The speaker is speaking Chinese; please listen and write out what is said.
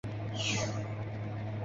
属叙州路。